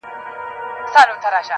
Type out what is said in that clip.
o پرون دي بيا راته غمونه راكړل.